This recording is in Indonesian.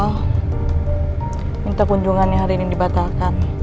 oh minta kunjungan yang hari ini dibatalkan